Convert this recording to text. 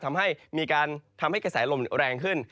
ทำให้มีการทำให้กระแสลมแรงขึ้น